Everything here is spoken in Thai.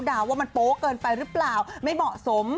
ว่ามันโป๊ะเกินไปหรือเปล่าไม่เหมาะสม